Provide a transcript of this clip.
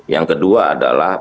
yang kedua adalah